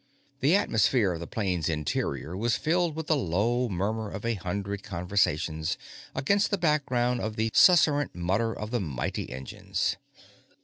The atmosphere of the plane's interior was filled with the low murmur of a hundred conversations against the background of the susurrant mutter of the mighty engines.